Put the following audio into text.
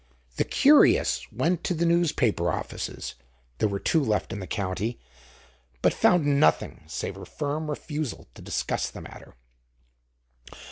The curious went to the newspaper offices—there were two left in the county—but found nothing save a firm refusal to discuss the matter.